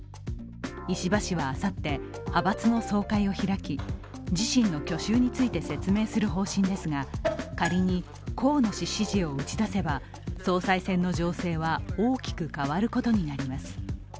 石破氏はあさって、派閥の総会を開き、自身の去就について説明する方針ですが仮に河野氏支持を打ちだせば総裁選の情勢は大きく変わることになります。